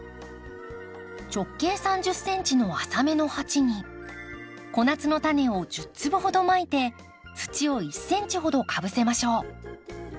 直径３０ｃｍの浅めの鉢に小夏のタネを１０粒ほどまいて土を１ｃｍほどかぶせましょう。